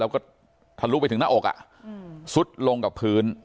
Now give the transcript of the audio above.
แล้วก็ทะลุไปถึงหน้าอกซุดลงกับพื้น